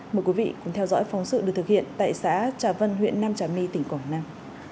mời quý vị cùng theo dõi phóng sự được thực hiện tại xã trà vân huyện nam trà my tỉnh quảng nam